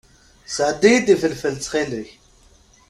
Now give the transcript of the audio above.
Sɛeddi-iyi-d ifelfel, ttxil-k.